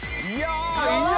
いや！